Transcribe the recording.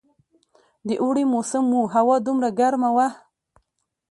د اوړي موسم وو، هوا دومره ګرمه وه.